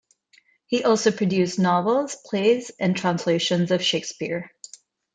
He also produced novels, plays, and translations of Shakespeare.